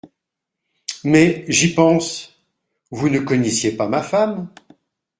Mais, j’y pense, vous ne connaissiez pas ma femme…